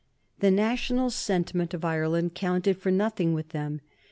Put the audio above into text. The national sentiment of Ireland counted for nothing with them.